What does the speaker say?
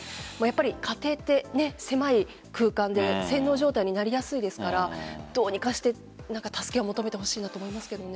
家庭って狭い空間で洗脳状態になりやすいですからどうにかして助けを求めてほしいなと思います。